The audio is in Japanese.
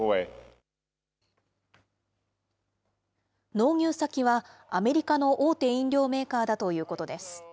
納入先はアメリカの大手飲料メーカーだということです。